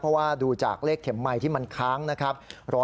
เพราะว่าดูจากเลขเข็มไมค์ที่มันค้างนะครับ